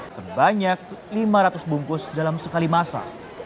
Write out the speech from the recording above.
sebanyak lima ratus bungkus dalam sekali masak